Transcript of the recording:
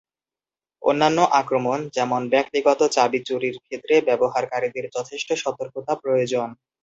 অন্যান্য আক্রমণ, যেমন ব্যক্তিগত চাবি চুরির ক্ষেত্রে ব্যবহারকারীদের যথেষ্ট সতর্কতা প্রয়োজন।